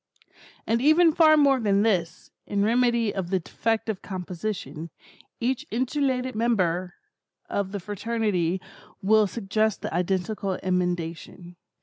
And even far more than this, in remedy of the defective composition, each insulated member of the fraternity will suggest the identical emendation.